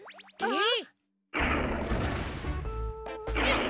えっ！？